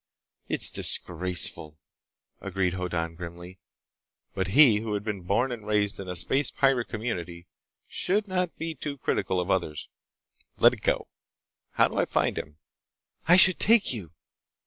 "It's disgraceful," agreed Hoddan grimly. But he, who had been born and raised in a space pirate community, should not be too critical of others. "Let it go. How do I find him?" "I should take you!"